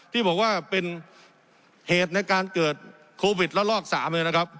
ที่บอกว่าเป็นเหตุในการเกิดโควิดละลอก๓เลยนะครับ